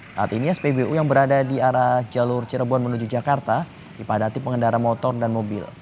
saat ini spbu yang berada di arah jalur cirebon menuju jakarta dipadati pengendara motor dan mobil